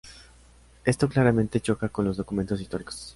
Esto claramente choca con los documentos históricos.